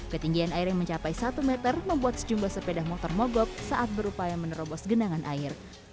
ketinggian air yang mencapai satu meter membuat sejumlah sepeda motor mogok saat berupaya menerobos genangan air